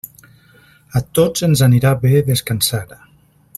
A tots ens anirà bé descansar.